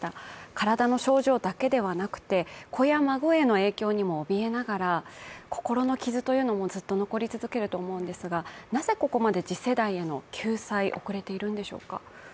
体の症状だけではなくて、子や孫への影響にもおびえながら心の傷というのもずっと残り続けると思うんですがなぜ次世代への救済が遅れているんですか？